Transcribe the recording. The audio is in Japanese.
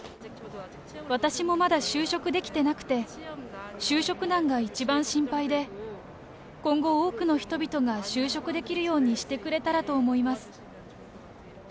私もまだ就職できてなくて、就職難が一番心配で、今後、多くの人々が就職できるようにしてくれたらと思います。